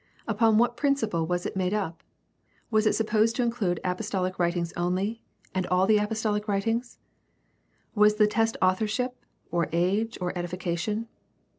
Upon what principle was it made up ? Was it supposed to include apostolic writings only and all the apostoUc writings ? Was the test authorship, or age, or edification